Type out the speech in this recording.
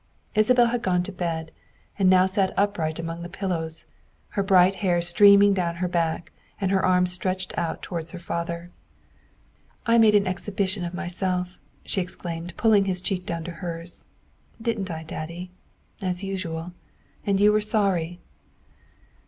Isabel had gone to bed, and now sat upright among the pillows, her bright hair streaming down her back, and her arms stretched out towards her father. " I made an exhibition of myself," she exclaimed, pulling his cheek down to hers, " didn't I, daddy, as usual, and you were sorry."